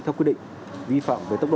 theo quy định vi phạm về tốc độ